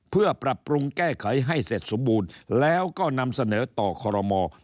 เพื่อปรับปรุงแก้ไขให้เสร็จสมบูรณ์แล้วก็นำเสนอต่อคอรมอ